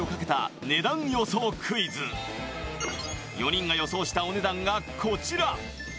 ４人が予想したお値段がこちら。